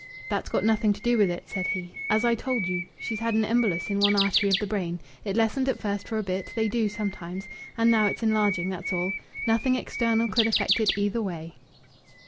"That's got nothing to do with it," said he. "As I told you, she's had an embolus in one artery of the brain. It lessened at first for a bit they do sometimes and now it's enlarging, that's all. Nothing external could affect it either way."